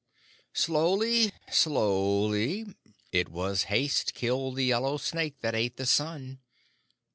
"Slowly slowly. It was haste killed the Yellow Snake that ate the sun.